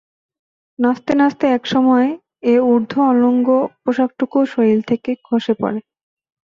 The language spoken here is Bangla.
নাচতে নাচতে এক সময় এ অর্ধউলঙ্গ পোশাকটুকুও শরীর থেকে খসে পড়ে।